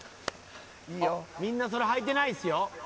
みんなそれ履いてないですよ。